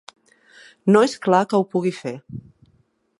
No és clar que ho pugui fer.